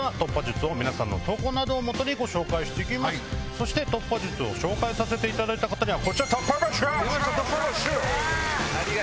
そして突破術を紹介させていただいた方には。